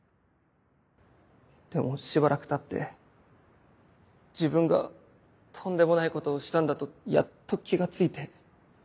でもしばらくたって自分がとんでもないことをしたんだとやっと気が付いて。